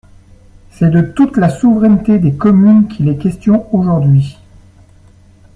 C’est de toute la souveraineté des communes qu’il est question aujourd’hui.